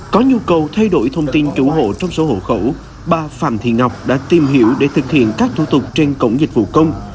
có nhu cầu thay đổi thông tin chủ hộ trong số hộ khẩu bà phạm thị ngọc đã tìm hiểu để thực hiện các thủ tục trên cổng dịch vụ công